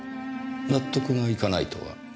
納得がいかないとは？